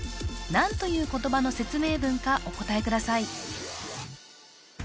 何という言葉の説明文かお答えください